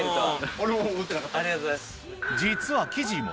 俺も思ってなかった。